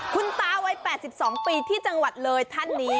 คุณตาวัย๘๒ปีที่จังหวัดเลยท่านนี้